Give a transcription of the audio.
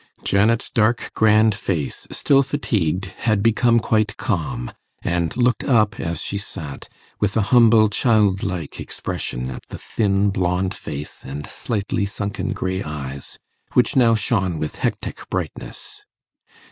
Janet's dark grand face, still fatigued, had become quite calm, and looked up, as she sat, with a humble childlike expression at the thin blond face and slightly sunken grey eyes which now shone with hectic brightness.